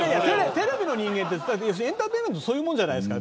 テレビの人間ってエンターテインメントってそういうものじゃないですか。